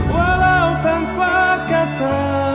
walau tanpa kata